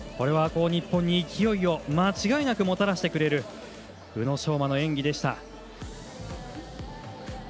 日本に勢いを間違いなくもたらしてくれる宇野昌磨の演技でした。